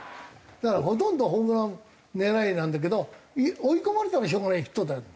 だからほとんどホームラン狙いなんだけど追い込まれたらしょうがないヒットだっていう。